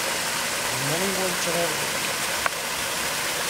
Ɛemṛi wal ttṛaṛ dani.